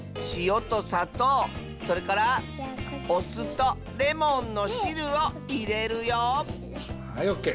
それからおすとレモンのしるをいれるよはいオッケー。